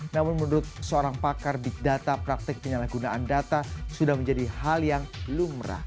namun menurut seorang pakar big data praktek penyalahgunaan data sudah menjadi hal yang lumrah